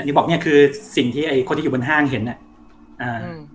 นี่บอกเนี้ยคือสิ่งที่ไอ้คนที่อยู่บนห้างเห็นอ่ะอ่าอืม